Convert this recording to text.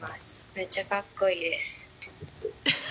めっちゃかっこいいです。